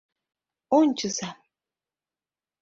Ончыза!